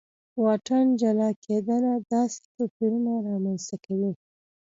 واټن جلا کېدنه داسې توپیرونه رامنځته کوي.